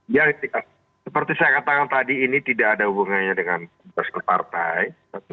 ya seperti saya katakan tadi ini tidak ada hubungannya dengan tugas ke partai